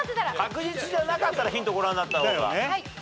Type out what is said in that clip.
確実じゃなかったらヒントご覧になった方が。だよね。